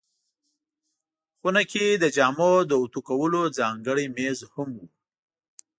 خونه کې د جامو د اوتو کولو ځانګړی مېز هم و.